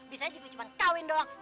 bisa aja gua cuma kawin doang